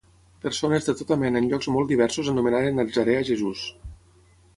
Persones de tota mena en llocs molt diversos anomenaren natzarè a Jesús.